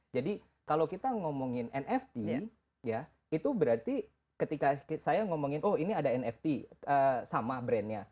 jadi kalau kita ngomongin nft ya itu berarti ketika saya ngomongin oh ini ada nft sama brandnya